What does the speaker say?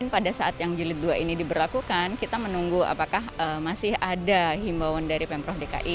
pada saat yang jilid dua ini diberlakukan kita menunggu apakah masih ada himbauan dari pemprov dki